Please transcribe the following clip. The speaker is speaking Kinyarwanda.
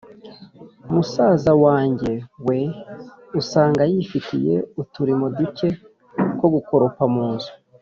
wMusaza wange we usanga yifitiye uturimo duke nko gukoropa mu nzu,